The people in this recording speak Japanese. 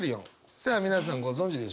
さあ皆さんご存じでしょうか？